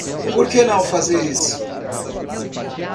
Por que não fazer isso